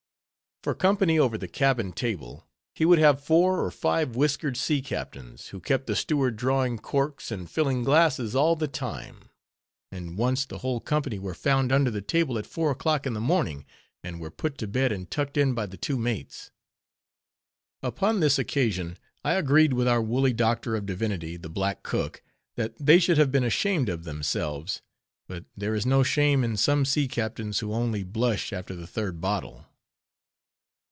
For company over the cabin table, he would have four or five whiskered sea captains, who kept the steward drawing corks and filling glasses all the time. And once, the whole company were found under the table at four o'clock in the morning, and were put to bed and tucked in by the two mates. Upon this occasion, I agreed with our woolly Doctor of Divinity, the black cook, that they should have been ashamed of themselves; but there is no shame in some sea captains, who only blush after the third bottle.